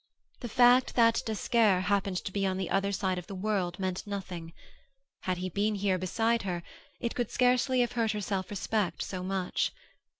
The fact that d'Esquerre happened to be on the other side of the world meant nothing; had he been here, beside her, it could scarcely have hurt her self respect so much.